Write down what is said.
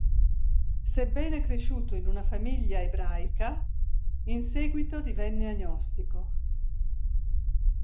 Sebbene cresciuto in una famiglia ebraica, in seguito divenne agnostico.